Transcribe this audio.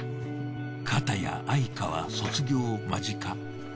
かたや愛華は卒業間近。